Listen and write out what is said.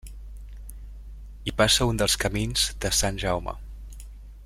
Hi passa un dels Camí de Sant Jaume.